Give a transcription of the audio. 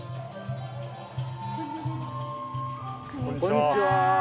こんにちは。